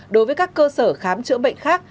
đối với các cơ sở khám chữa bệnh khác